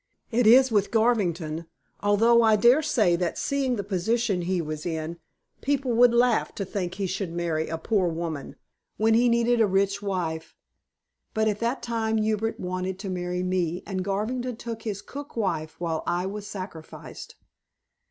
It is with Garvington, although I daresay that seeing the position he was in, people would laugh to think he should marry a poor woman, when he needed a rich wife. But at that time Hubert wanted to marry me, and Garvington got his cook wife, while I was sacrificed."